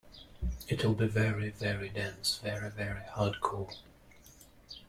It'll be very very dense, very very hardcore.